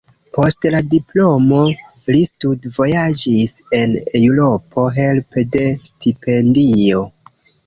Post la diplomo li studvojaĝis en Eŭropo helpe de stipendio.